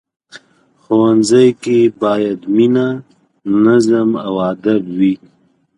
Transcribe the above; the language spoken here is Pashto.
ښوونځی کې باید مینه، نظم او ادب وي